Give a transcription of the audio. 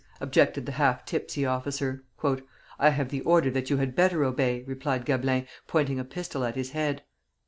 objected the half tipsy officer. "I have the order you had better obey," replied Gablin, pointing a pistol at his head.